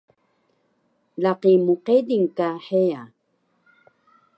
laqi mqedil ka heya